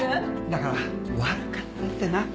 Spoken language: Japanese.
だから悪かったってなっ。